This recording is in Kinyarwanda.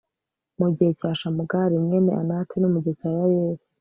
mu gihe cya shamugari, mwene anati, no mu gihe cya yayeli